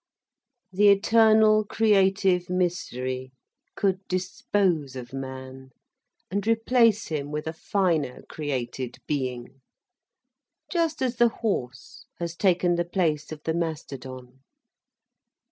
The eternal creative mystery could dispose of man, and replace him with a finer created being. Just as the horse has taken the place of the mastodon.